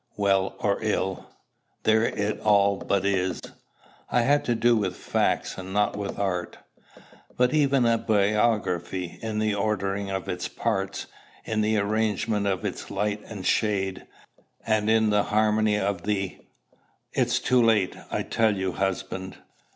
Well or ill, there it all but is. I had to do with facts, and not with art." "But even a biography, in the ordering of its parts, in the arrangement of its light and shade, and in the harmony of the" "It's too late, I tell you, husband.